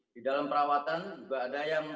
di dalam perawatan juga ada yang